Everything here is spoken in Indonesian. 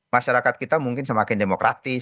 masyarakat kita mungkin semakin demokratis